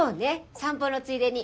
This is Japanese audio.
散歩のついでに。